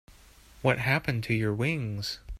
What happened to your wings?